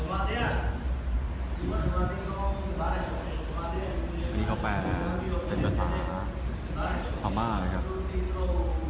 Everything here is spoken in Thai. วันนี้เขาแปลเป็นภาษาภามารนะครับ